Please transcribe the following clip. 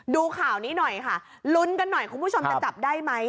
ดูข่าวนี้หน่อยค่ะลุ้นกันหน่อยคุณผู้ชมจะจับได้ไหม